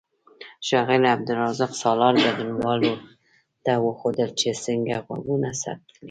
ښاغلي عبدالرزاق سالار ګډونوالو ته وښودل چې څنګه غږونه ثبت کړي.